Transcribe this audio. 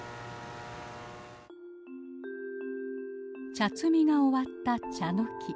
茶摘みが終わったチャノキ。